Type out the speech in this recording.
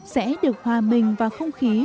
sẽ được hòa bình vào không khí